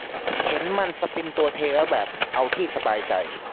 เห็นมันสปินตัวเทแล้วแบบ เอาที่สบายใจ ????